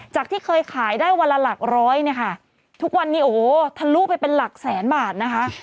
ที่เคยขายได้วันละหลักร้อยเนี่ยค่ะทุกวันนี้โอ้โหทะลุไปเป็นหลักแสนบาทนะคะ